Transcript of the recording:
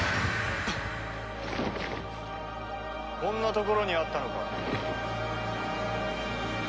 こんな所にあったのか。